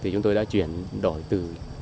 chúng tôi đã chuyển đổi từ